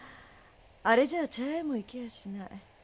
あれじゃ茶屋へも行けやしない。